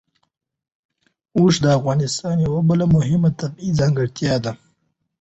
اوښ د افغانستان یوه بله مهمه طبیعي ځانګړتیا ده.